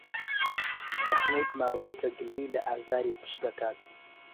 مەحموود ماوەیەکە گلەیی لە ئازاری پشت دەکات.